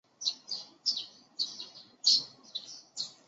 同时也担任该剧部分集数的导演和制作人。